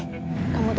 kamu tuh jangan mau ya